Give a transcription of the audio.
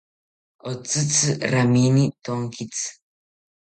Otzitzi ramini tonkitzi